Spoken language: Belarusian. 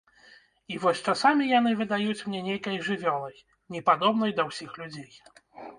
І вось часамі яны выдаюць мне нейкай жывёлай, непадобнай да ўсіх людзей.